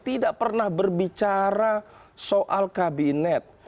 tidak pernah berbicara soal kabinet